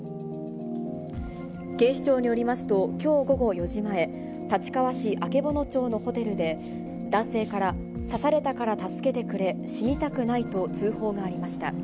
警視庁によりますと、きょう午後４時前、立川市曙町のホテルで、男性から刺されたから助けてくれ、死にたくないと通報がありました。